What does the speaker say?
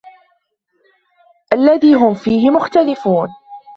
الذي هم فيه مختلفون